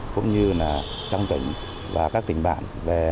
cũng như là trong tỉnh và các tỉnh bản